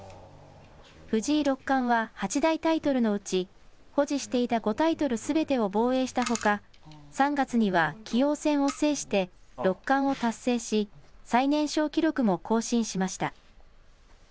藤井六冠は八大タイトルのうち保持していた５タイトルすべてを防衛したほか３月には棋王戦を制して六冠を達成し最年少記録も更新しました。